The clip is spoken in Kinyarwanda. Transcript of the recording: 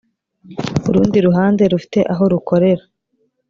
urundi ruhande rufite aho rukorera